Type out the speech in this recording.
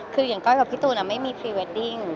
คืออย่างก้อยกับพี่ตูนไม่มีพรีเวดดิ้ง